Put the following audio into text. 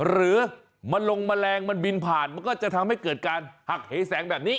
หรือมันลงแมลงมันบินผ่านมันก็จะทำให้เกิดการหักเหแสงแบบนี้